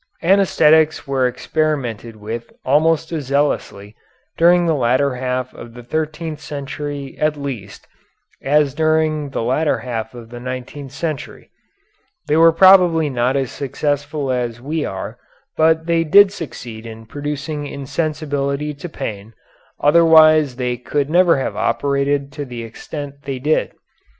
Anæsthetics were experimented with almost as zealously, during the latter half of the thirteenth century at least, as during the latter half of the nineteenth century. They were probably not as successful as we are, but they did succeed in producing insensibility to pain, otherwise they could never have operated to the extent they did.